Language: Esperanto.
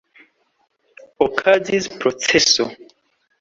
Okazis proceso.